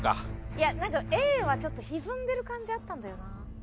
いやなんかＡはちょっとひずんでる感じあったんだよな。